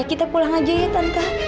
kita pulang aja ya tante